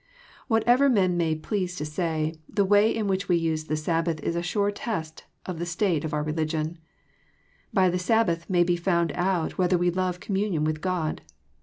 Whatever men may please to say, the way in which we Jiae_the Sabbath is a sure test of the st ate of i)ur religion. By the Sabbath may be found out whether we love communion with God.